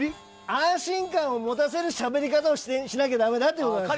安心感を持たせるしゃべり方をしなきゃダメだってことです。